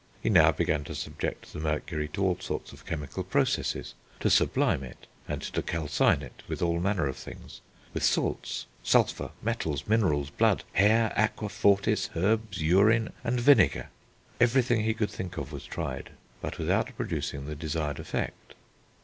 He now began to subject the Mercury to all sorts of chemical processes, to sublime it, and to calcine it with all manner of things, with salts, sulphur, metals, minerals, blood, hair, aqua fortis, herbs, urine, and vinegar.... Everything he could think of was tried; but without producing the desired effect."